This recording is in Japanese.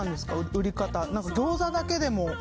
売り方あ